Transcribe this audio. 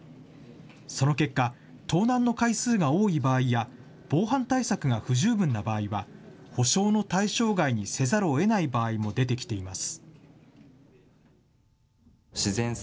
その結果、盗難の回数が多い場合や、防犯対策が不十分な場合は、補償の対象外にせざるをえない場合も出てきています。